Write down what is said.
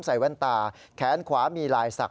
ใส่วนตาแขนขวามีลายสาก